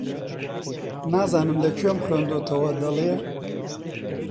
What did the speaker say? نازانم لە کوێم خوێندۆتەوە، دەڵێ: